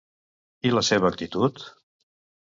I la seva actitud?